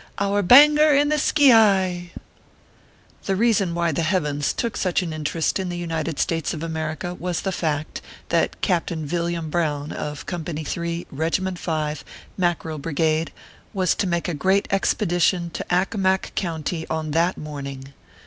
our Banger in the Skee yi ! The reason why the heavens took such an interest in the United States of America was the fact, that Captain Villiam Brown, of Company 3, Eegiment 5, Mackerel Brigade, was to make a Great Expedition to Accomac County on that morning.